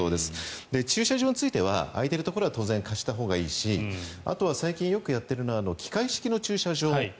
駐車場に関しては空いているところは貸したほうがいいしあとは最近よくやっているのは機械式の駐車場